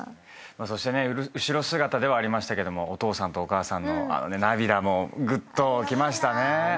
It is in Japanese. そして後ろ姿ではありましたけどお父さんとお母さんのあの涙もぐっときましたね。